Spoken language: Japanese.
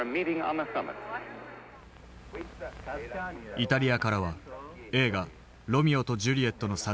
イタリアからは映画「ロミオとジュリエット」の撮影風景。